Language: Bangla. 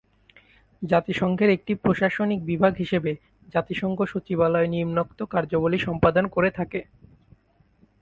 জাতিসংঘের একটি প্রশাসনিক বিভাগ হিসেবে জাতিসংঘ সচিবালয় নিম্নোক্ত কার্যাবলী সম্পাদন করে থাকে।